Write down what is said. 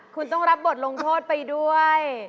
คุณต้องรับบทลงโทษไปด้วย